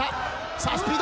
さあスピード。